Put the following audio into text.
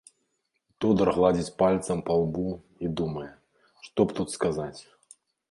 Тодар гладзіць пальцам па лбу і думае, што б тут сказаць.